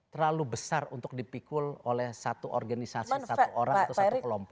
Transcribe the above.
terlalu besar untuk dipikul oleh satu organisasi satu orang atau satu kelompok